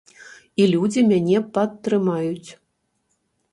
І людзі мяне падтрымаюць.